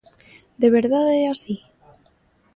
De verdade é así?